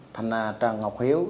thành trần ngọc hiếu